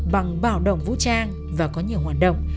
bằng bạo động vũ trang và có nhiều hoạt động